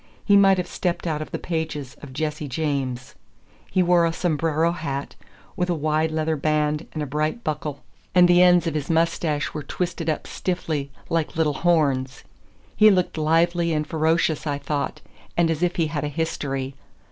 He might have stepped out of the pages of "Jesse James." He wore a sombrero hat, with a wide leather band and a bright buckle, and the ends of his mustache were twisted up stiffly, like little horns. He looked lively and ferocious, I thought, and as if he had a history.